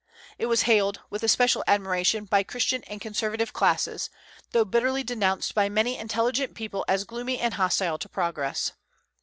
It was hailed with especial admiration by Christian and conservative classes, though bitterly denounced by many intelligent people as gloomy and hostile to progress.